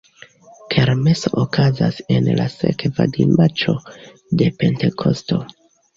Kermeso okazas en la sekva dimaĉo de Pentekosto.